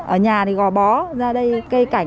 ở nhà thì gò bó ra đây cây cảnh